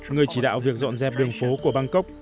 người chỉ đạo việc dọn dẹp đường phố của bangkok